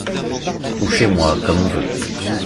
Ou chez moi, comme on veut.